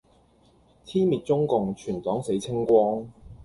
天滅中共，全黨死清光